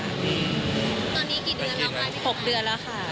ตอนนี้กี่เดือนแล้วค่ะ